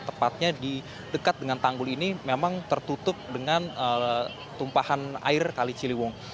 tepatnya di dekat dengan tanggul ini memang tertutup dengan tumpahan air kali ciliwung